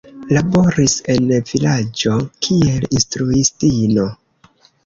Laboris en vilaĝo kiel instruistino.